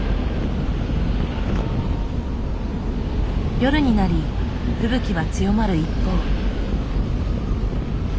夜になり吹雪は強まる一方。